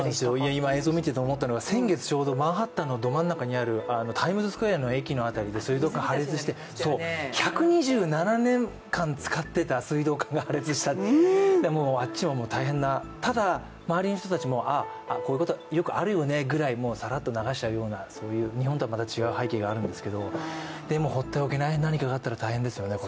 今、映像を見ていて思ったのが先月、ちょうどマンハッタンのど真ん中にあるタイムズスクエアの駅の辺りで水道管が破裂して１２７年間使っていた水道管が破裂した、あっちも大変な、ただ、周りの人たちも、こういうことはよくあるよねぐらいの、もうさらっと流しちゃうような日本とはまた違う背景があるんですけどでも放っておけない何かがあったら大変ですよね。